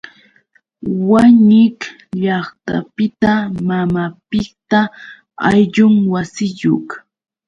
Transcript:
Wañik llaqtapi mamapiqta ayllun wasiyuq.